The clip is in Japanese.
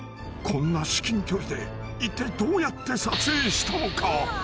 こんな至近距離で一体どうやって撮影したのか。